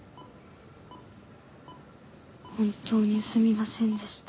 本当にすみませんでした。